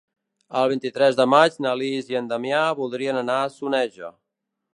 El vint-i-tres de maig na Lis i en Damià voldrien anar a Soneja.